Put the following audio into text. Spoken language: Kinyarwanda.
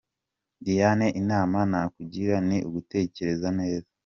Diane inama nakugira ni ugutekereza neza.